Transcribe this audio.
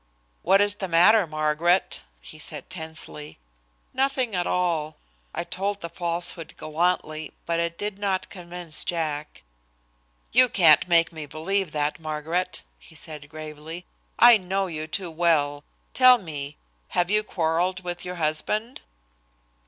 "What is the matter, Margaret?" he said tensely. "Nothing at all." I told the falsehood gallantly, but it did not convince Jack. "You can't make me believe that, Margaret," he said gravely. "I know you too well. Tell me, have you quarrelled with your husband?"